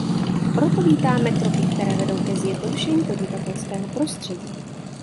Proto vítáme kroky, které vedou ke zjednodušení podnikatelského prostředí.